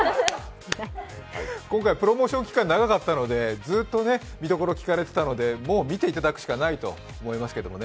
今回プロモーション期間が長かったのでずっと見どころ聞かれていたのでもう見ていただくしかないと思いますけどね。